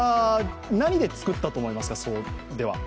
何で作ったと思いますか？